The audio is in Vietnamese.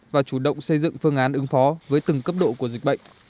và chủ động xây dựng phương án ứng phó với từng cấp độ của dịch bệnh